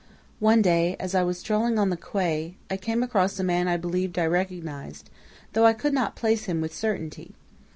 "One day, as I was strolling on the quay, I came across a man I believed I recognized, though I could not place him with certainty.